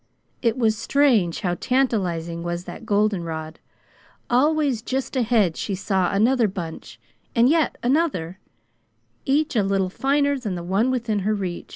It was strange how tantalizing was that goldenrod. Always just ahead she saw another bunch, and yet another, each a little finer than the one within her reach.